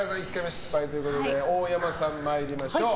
失敗ということで大山さん、参りましょう。